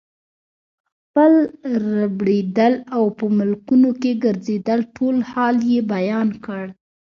خپل ربړېدل او په ملکونو کې ګرځېدل ټول حال یې بیان کړ.